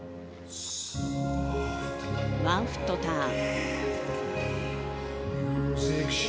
ワンフットターン。